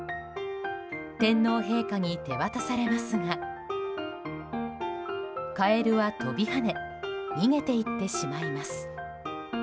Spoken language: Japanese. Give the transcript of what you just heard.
天皇陛下に手渡されますがカエルは飛び跳ね逃げて行ってしまいます。